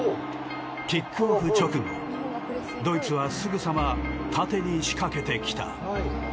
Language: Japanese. キックオフ直後、ドイツはすぐさま縦に仕掛けてきた。